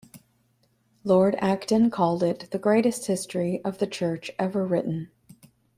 Lord Acton called it the greatest history of the Church ever written.